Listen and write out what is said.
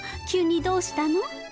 急にどうしたの？